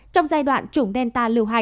trong giai đoạn chủng delta